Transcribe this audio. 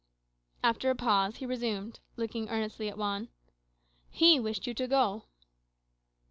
After a pause, he resumed, looking earnestly at Juan "He wished you to go."